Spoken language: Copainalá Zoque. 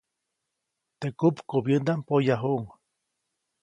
Teʼ kupkubyändaʼm poyajuʼuŋ.